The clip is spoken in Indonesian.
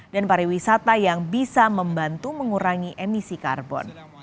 dan pariwisata yang bisa membantu mengurangi emisi karbon